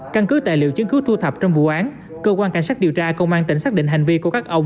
căn cứ tài liệu chứng cứ thu thập trong vụ án cơ quan cảnh sát điều tra công an tỉnh xác định hành vi của các ông